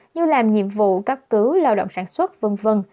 như làm nhiệm vụ cấp cứu lao động sản xuất v v